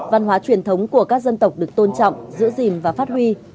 văn hóa truyền thống của các dân tộc được tôn trọng giữ gìn và phát huy